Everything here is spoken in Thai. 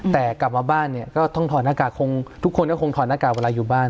แต่กลับมาบ้านเนี่ยก็ต้องถอดหน้ากากคงทุกคนก็คงถอดหน้ากากเวลาอยู่บ้าน